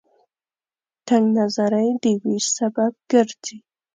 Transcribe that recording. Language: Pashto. تنگ نظرۍ د وېش سبب ګرځي.